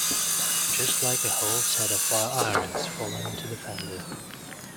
Just like a whole set of fire-irons falling into the fender!